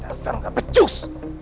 dasar gak pecus